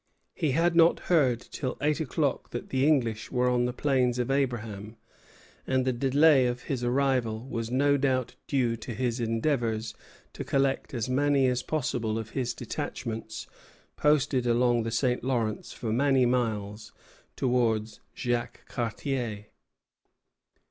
He had not heard till eight o'clock that the English were on the Plains of Abraham; and the delay of his arrival was no doubt due to his endeavors to collect as many as possible of his detachments posted along the St. Lawrence for many miles towards Jacques Cartier.